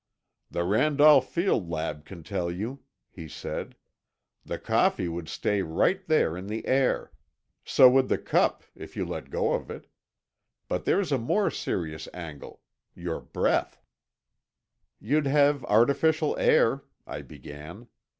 "The Randolph Field lab can tell you," he said. "The coffee would stay right there in the air. So would the cup, if you let go of it. But there's a more serious angle—your breath." "You'd have artificial air," I began.